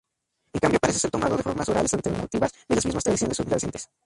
En cambio, parece ser tomado de formas orales alternativas de las mismas tradiciones subyacentes.